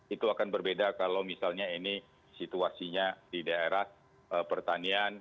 itu akan berbeda kalau misalnya ini situasinya di daerah pertanian